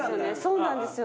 そうなんですよ。